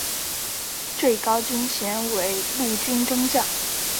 最高军衔为陆军中将。